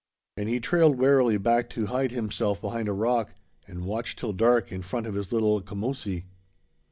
And he trailed warily back to hide himself behind a rock and watch till dark in front of his little commoosie.